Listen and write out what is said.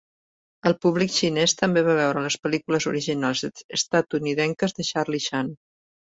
El públic xinès també va veure les pel·lícules originals estatunidenques de Charlie Chan.